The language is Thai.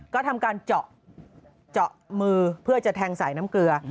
ก็ทำการเจาะมือเพื่อจะแทงสายน้ำเกลือ